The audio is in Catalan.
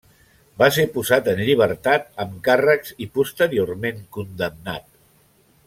Va ser posat en llibertat amb càrrecs, i posteriorment condemnat.